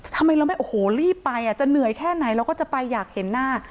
ทำไมเราไม่โอ้โหรีบไปจะเหนื่อยแค่ไหนเราก็จะไปอยากเห็นหน้า